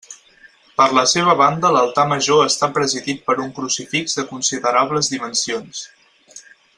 Per la seva banda l'altar major està presidit per un crucifix de considerables dimensions.